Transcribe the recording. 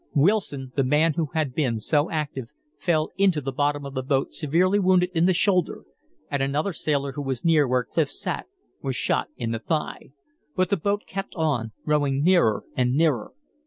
Wilson, the man who had been so active, fell into the bottom of the boat severely wounded in the shoulder, and another sailor who was near where Clif sat, was shot in the thigh. But the boat kept on, rowing nearer and nearer.